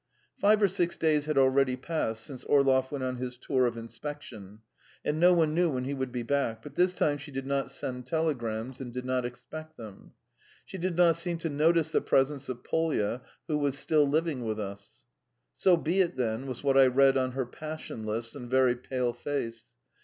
Five or six days had already passed since Orlov went on his tour of inspection, and no one knew when he would be back, but this time she did not send telegrams and did not expect them. She did not seem to notice the presence of Polya, who was still living with us. "So be it, then," was what I read on her passionless and very pale face.